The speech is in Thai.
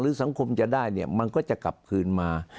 สังคมจะได้เนี่ยมันก็จะกลับคืนมา